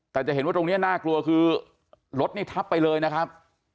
แต่จะเห็นว่าตรงนี้น่ากลัวคือรถนี่ทับไปเลยนะครับ